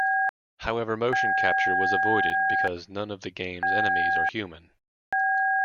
However, motion capture was avoided because none of game's enemies are human.